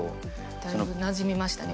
だいぶなじみましたね